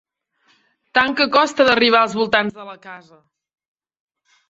Tant que costa d'arribar als voltants de la casa.